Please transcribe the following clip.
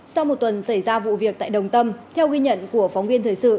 sau một tuần xảy ra vụ việc tại đồng tâm theo ghi nhận của phóng viên thời sự